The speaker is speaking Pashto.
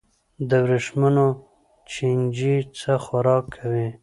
د وریښمو چینجی څه خوراک کوي؟